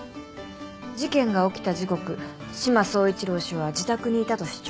事件が起きた時刻志摩総一郎氏は自宅にいたと主張。